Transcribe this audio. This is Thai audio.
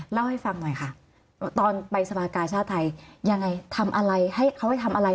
เล่าให้ฟังหน่อยค่ะตอนไปสภากาชาติไทยยังไงทำอะไรให้เขาให้ทำอะไร